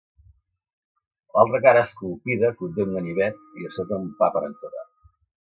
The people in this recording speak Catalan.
L'altra cara esculpida conté un ganivet i a sota un pa per encetar.